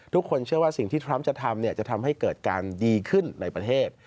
ทุกคนเชื่อว่าสิ่งที่ทรัมป์จะทำจะทำให้เกิดการดีขึ้นในประเทศ